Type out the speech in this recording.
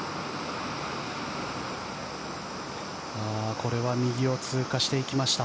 これは右を通過していきました。